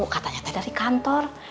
katanya teh dari kantor